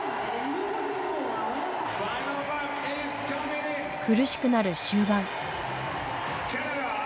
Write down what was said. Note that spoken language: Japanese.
苦しくなる終盤。